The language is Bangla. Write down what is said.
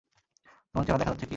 তোমার চেহারা দেখা যাচ্ছে কি?